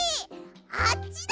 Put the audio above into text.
あっちだ！